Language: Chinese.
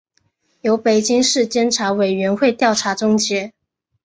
由北京市监察委员会调查终结